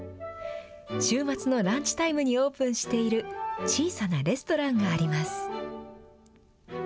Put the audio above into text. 週末のランチタイムにオープンしている小さなレストランがあります。